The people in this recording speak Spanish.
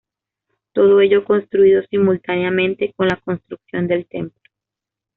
Todo ello construido simultáneamente con la construcción del templo.